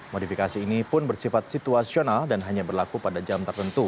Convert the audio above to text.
modifikasi ini pun bersifat situasional dan hanya berlaku pada jam tertentu